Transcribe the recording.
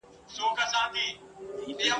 شکرباسي په قانع وي او خندیږي !.